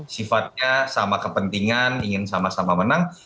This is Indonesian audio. sifatnya sama kepentingan ingin sama sama menang